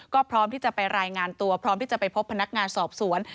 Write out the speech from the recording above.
ก็พร้อมที่จะไปรายงานตัวพร้อมที่จะไปพบพนักงานสอบสวน